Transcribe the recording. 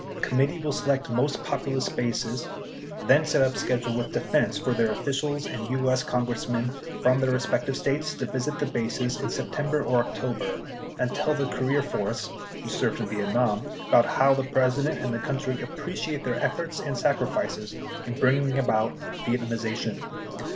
— Committee will select most popu lous bases; then set up schedule with Defense for their officials and U.S. Congressmen from the respective states to visit the bases in Sept. /Oct. and tell the career force (who served in Vietnam) about how the President and the country appre ciate their efforts and sacrifices in bringing about Vietnamiza tion.